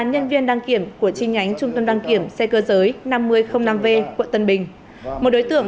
tám nhân viên đăng kiểm của chi nhánh trung tâm đăng kiểm xe cơ giới năm nghìn năm v quận tân bình một đối tượng